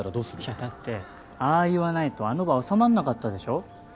いやだってああ言わないとあの場収まんなかったでしょ？